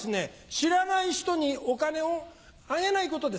知らない人にお金をあげないことです。